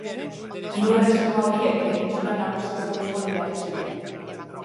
Hiru erresuma horiek penintsulan nagusi izateko lehiatu ziren.